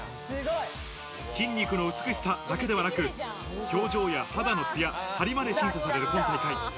筋肉の美しさだけではなく、表情や肌のつや、ハリまで審査される、今大会。